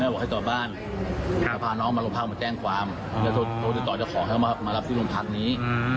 บอกให้จอดบ้านจะพาน้องมาโรงพักมาแจ้งความแล้วโทรติดต่อเจ้าของให้มารับที่โรงพักนี้